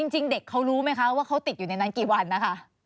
จริงเด็กเขารู้ไหมคะว่าเขาติดอยู่ในนั้นกี่วันนะคะ